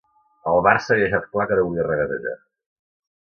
El Barça havia deixat clar que no volia regatejar